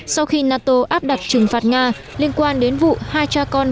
sau khi nato áp đặt trừng phạt nga liên quan đến vụ hai cha con